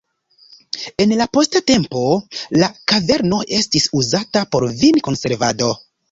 En la posta tempo la kaverno estis uzata por vin-konservado.